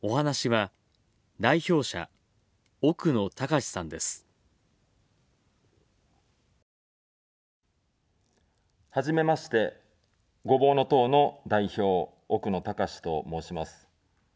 はじめまして、ごぼうの党の代表、奥野卓志と申します。